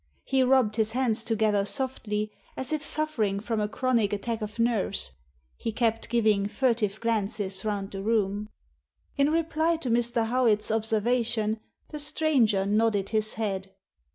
He rubbed his hands together softly, as if suffering from a chronic attack of nerves; he kept giving furtive glances round the room. In reply to Mr. Howitt's observation the stranger nodded his head.